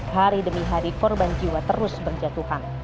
hari demi hari korban jiwa terus berjatuhan